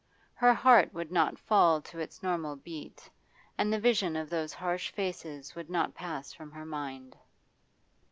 Her heart would not fall to its normal beat, and the vision of those harsh faces would not pass from her mind.